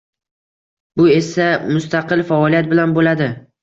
Bu esa mustaqil faoliyat bilan bo‘ladi.